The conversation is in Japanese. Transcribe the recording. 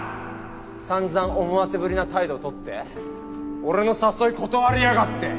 さんざん思わせぶりな態度取って俺の誘い断りやがって。